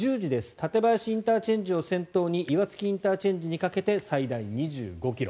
館林ＩＣを先頭に岩槻ＩＣにかけて最大２５ｋｍ。